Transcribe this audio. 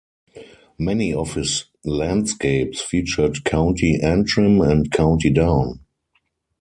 Many of his landscapes featured County Antrim and County Down.